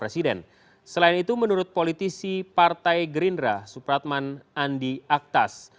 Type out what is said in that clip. selain itu menurut politisi partai gerindra supratman andi aktas